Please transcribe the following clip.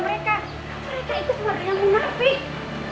mereka itu keluarga yang munafik